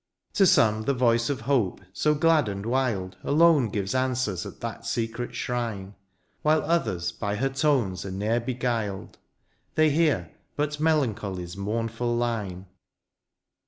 To some, the voice of hope, so glad and wild. Alone gives answers at that secret shrine ; While others by her tones are ne'er beguiled, They hear but melancholy's mournful line.